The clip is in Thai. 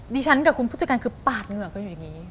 ดิฉันกับคุณผู้จัดการคือปาดเหงื่อกันอยู่อย่างนี้